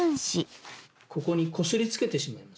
ここにこすりつけてしまいます。